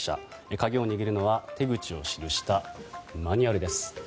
鍵を握るのは手口を示したマニュアルです。